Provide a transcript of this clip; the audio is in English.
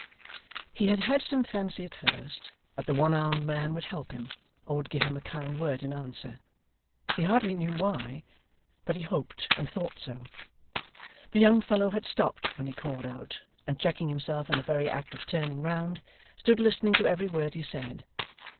He had had some fancy at first, that the one armed man would help him, or would give him a kind word in answer. He hardly knew why, but he hoped and thought so. The young fellow had stopped when he called out, and checking himself in the very act of turning round, stood listening to every word he said.